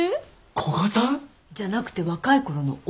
古賀さん？じゃなくて若いころのおじいちゃん。